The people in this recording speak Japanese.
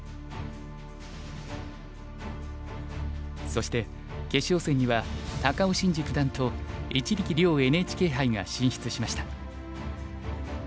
そして決勝戦には高尾紳路九段と一力遼ＮＨＫ杯が進出しました。